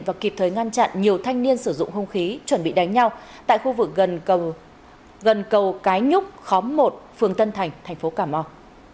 và kịp thời ngăn chặn nhiều thanh niên sử dụng hung khí chuẩn bị đánh nhau tại khu vực gần cầu cái nhúc khóm một phường tân thành thành phố cà mau